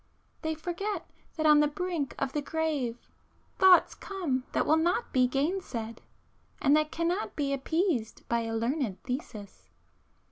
They forget that on the brink of the grave, thoughts come that will not be gainsaid, and that cannot be appeased by a learned thesis....